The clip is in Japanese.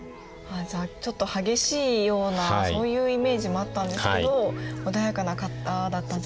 じゃあちょっと激しいようなそういうイメージもあったんですけど穏やかな方だったんじゃないかと。